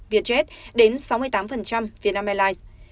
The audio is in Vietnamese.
việt jet đến sáu mươi tám việt nam airlines